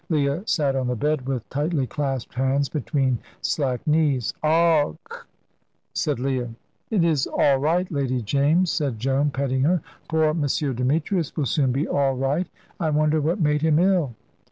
Leah sat on the bed with tightly clasped hands between slack knees. "Augh!" said Leah. "It is all right, Lady James," said Joan, petting her. "Poor M. Demetrius will soon be all right. I wonder what made him ill?"